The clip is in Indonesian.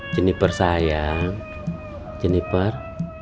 jeniper sayang jeniper